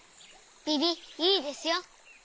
ビビいいですよ。